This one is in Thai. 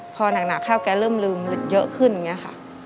พอหนักเข้าแกเริ่มลืมเยอะขึ้นอย่างนี้ค่ะ